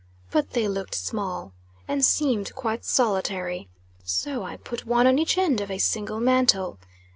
But they looked small, and seemed quite solitary. So I put one on each end of a single mantle.